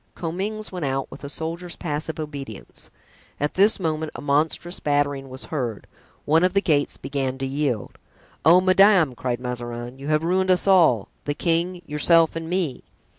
Comminges went out with a soldier's passive obedience. At this moment a monstrous battering was heard. One of the gates began to yield. "Oh! madame," cried Mazarin, "you have ruined us all—the king, yourself and me."